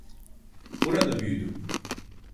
Burada büyüdüm.